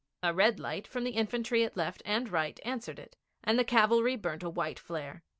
A red light from the infantry at left and right answered it, and the cavalry burnt a white flare.